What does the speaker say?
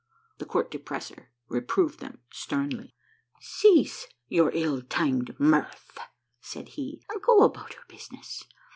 The Court Depressor reproved them sternly. " Cease your ill timed mirth," said he, " and go about your business.